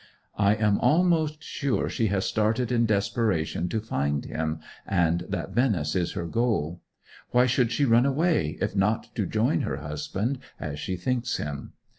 I am almost sure she has started in desperation to find him, and that Venice is her goal. Why should she run away, if not to join her husband, as she thinks him?